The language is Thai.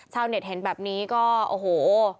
ชาวเน็ตเห็นแบบนี้ก็โอ้โห